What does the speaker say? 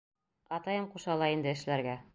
Атайым ҡуша ла инде эшләргә.